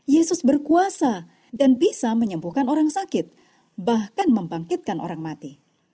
yesus berkuasa dan bisa menyembuhkan orang sakit bahkan membangkitkan orang mati